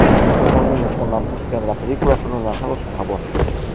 Dos álbumes con la música de la película fueron lanzados en Japón.